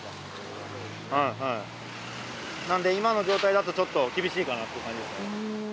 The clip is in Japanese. んで今の状態だとちょっと厳しいかなって感じですね